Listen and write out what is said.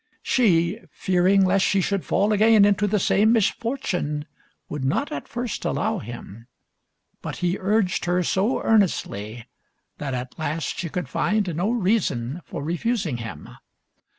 She, fearing lest she should fall again into the same misfortune, would not at first allow him, but he urged her so earnestly that at last she could find no reason for refusing him.